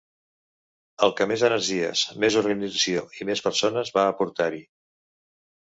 El que més energies, més organització i més persones va aportar-hi.